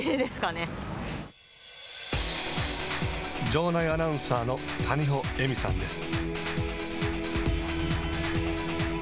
場内アナウンサーの谷保恵美さんです。